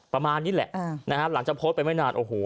ประมาณนี้แหละนะฮะหลังจากโพสต์ไปไม่นานโอ้โห